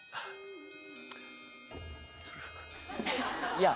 いや。